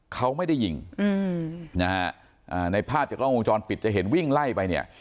เขาไม่ได้หยิงในภาพจากล้ององค์จรปิดจะเห็นวิ่งไล่ไปเนี่ย